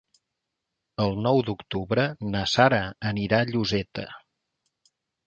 El nou d'octubre na Sara anirà a Lloseta.